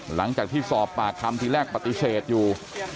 หลังจากที่สอบปากคำทีแรกปฏิเสธอยู่